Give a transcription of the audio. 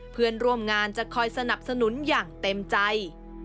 เพื่อนร่วมงานจะคอยสนับสนุนอย่างเต็มใจ